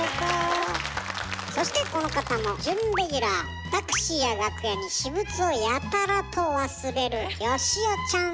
そしてこの方もタクシーや楽屋に私物をやたらと忘れるよしおちゃん。